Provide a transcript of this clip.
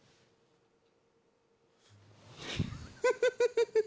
フフフフフフ！